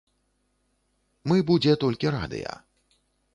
Мы будзе толькі радыя.